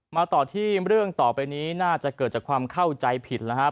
มาต่อที่เรื่องต่อไปนี้น่าจะเกิดจากความเข้าใจผิดแล้วครับ